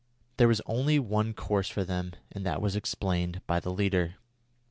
There was only one course open for them, and that was explained by the leader.